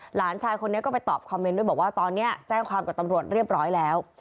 หลานชายคนนี้ก็ไปตอบคอมเมนต์ด้วยบอกว่าตอนนี้แจ้งความกับตำรวจเรียบร้อยแล้ว